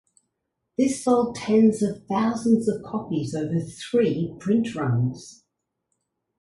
This sold tens of thousands of copies over three print runs.